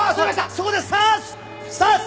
そこで刺す！